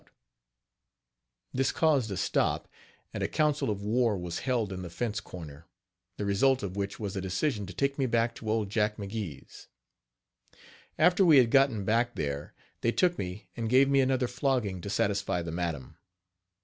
" This caused a stop; and a council of war was held in the fence corner, the result of which was a decision to take me back to old Jack McGee's. After we had gotten back there, they took me and gave me another flogging to satisfy the madam.